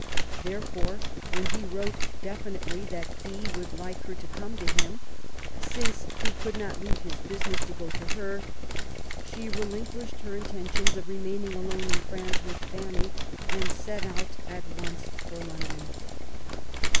Therefore, when he wrote definitely that he would like her to come to him, since he could not leave his business to go to her, she relinquished her intentions of remaining alone in France with Fanny, and set out at once for London.